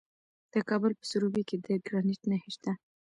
د کابل په سروبي کې د ګرانیټ نښې شته.